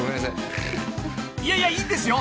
［いやいや。いいんですよ。